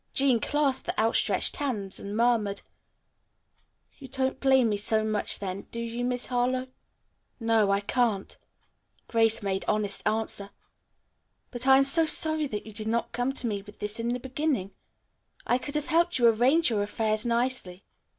Jean clasped the outstretched hands and murmured, "You don't blame me so much, then, do you, Miss Harlowe?" "No, I can't," Grace made honest answer, "but I am so sorry that you did not come to me with this in the beginning. I could have helped you arrange your affairs nicely.